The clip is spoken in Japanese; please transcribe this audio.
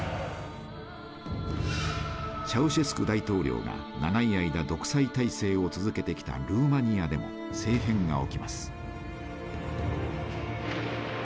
チャウシェスク大統領が長い間独裁体制を続けてきたルーマニアでも政変が起きます。